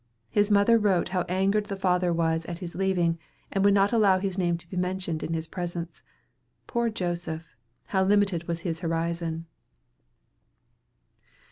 His mother wrote how angered the father was at his leaving, and would not allow his name to be mentioned in his presence. Poor Joseph! how limited was his horizon.